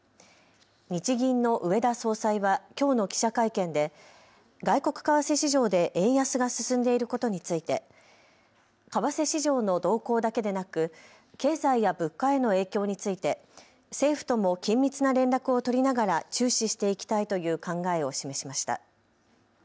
日銀の植田総裁はきょうの記者会見で外国為替市場で円安が進んでいることについて為替市場の動向だけでなく経済や物価への影響について政府とも緊密な連絡を取りながら注視していきたいという考えを示しました。